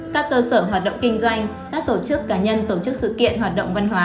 các cơ sở hoạt động kinh doanh các tổ chức cá nhân tổ chức sự kiện hoạt động văn hóa